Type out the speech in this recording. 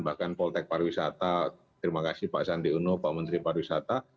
bahkan poltek pariwisata terima kasih pak sandi uno pak menteri pariwisata